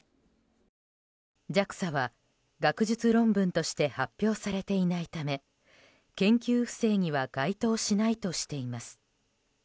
ＪＡＸＡは、学術論文として発表されていないため研修不正には該当しないとしています。